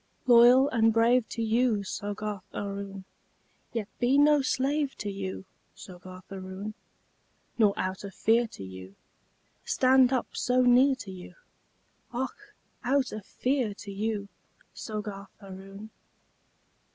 Loyal and brave to you, Soggarth Aroon, Yet be no slave to you, Soggarth Aroon, Nor out of fear to you Stand up so near to you Och! out of fear to you! Soggarth Aroon!